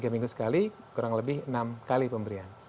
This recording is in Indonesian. tiga minggu sekali kurang lebih enam kali pemberian